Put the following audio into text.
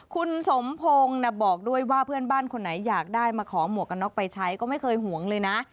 คุณสมพงศ์บอกด้วยว่าเพื่อนบ้านคนไหนอยากได้มาขอหมวกกันน็อกไปใช้ก็ไม่เคยห่วงเลยนะ